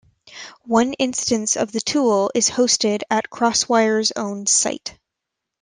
One instance of the tool is hosted at CrossWire's own site.